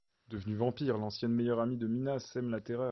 Devenue Vampire, l’ancienne meilleure amie de Mina sème la terreur.